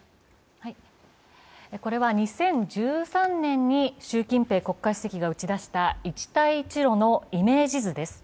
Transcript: これは２０１３年に習近平国家主席が打ち出した一帯一路のイメージ図です。